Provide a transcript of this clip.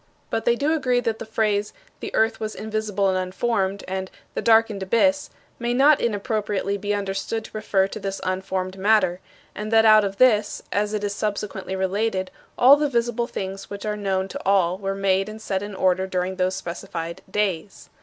But they do agree that the phrases, "The earth was invisible and unformed," and "The darkened abyss," may not inappropriately be understood to refer to this unformed matter and that out of this, as it is subsequently related, all the visible things which are known to all were made and set in order during those specified "days."